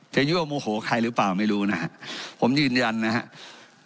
จะเยื่อมโงโหใครหรือเปล่าไม่รู้นะผมยืนยันนะฮะ